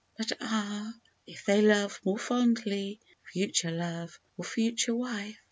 But ah ! if they love more fondly (future love or future wife).